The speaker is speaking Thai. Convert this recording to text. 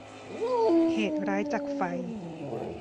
เหตุร้ายจากไฟ